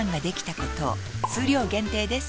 数量限定です